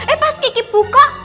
eh pas kiki buka